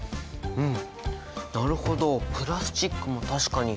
うん。